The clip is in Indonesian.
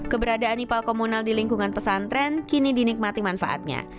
keberadaan ipal komunal di lingkungan pesantren kini dinikmati manfaatnya